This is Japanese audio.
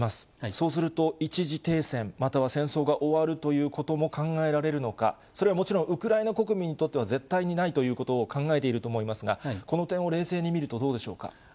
そうすると、一時停戦、または戦争が終わるということも考えられるのか、それはもちろんウクライナ国民にとっては、絶対にないということを考えていると思いますが、この点を冷静に見ると、どうでしょうか。